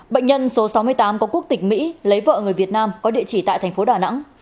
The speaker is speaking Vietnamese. bệnh nhân số sáu mươi tám có quốc tịch mỹ lấy vợ người việt nam có địa chỉ tại thành phố đà nẵng